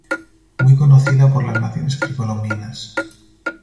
Muy conocida por las naciones precolombinas.